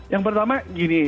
yang pertama gini